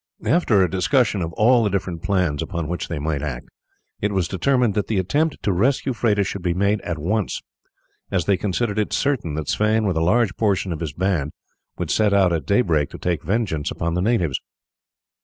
After a discussion of all the different plans upon which they might act, it was determined that the attempt to rescue Freda should be made at once, as they considered it certain that Sweyn with a large portion of his band would set out at daybreak to take vengeance upon the natives.